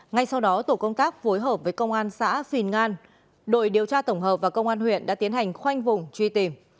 ngay sau đó tổ công tác phối hợp với công an xã phìn ngan đội điều tra tổng hợp và công an huyện đã tiến hành khoanh vùng truy tìm